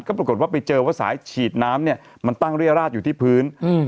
ก็ปรากฏว่าไปเจอว่าสายฉีดน้ำเนี่ยมันตั้งเรียราดอยู่ที่พื้นอืม